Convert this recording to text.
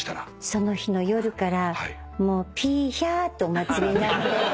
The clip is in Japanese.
その日の夜からもうピーヒャーってお祭りになって。